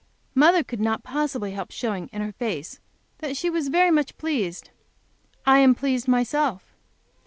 Mother could not possibly help showing, in her face, that she was very much pleased. I am pleased myself.